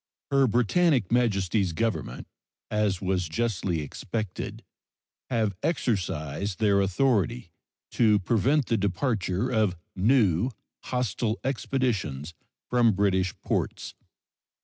Her Britannic Majesty's Government, as was justly expected, have exercised their authority to prevent the departure of new hostile expeditions from British ports.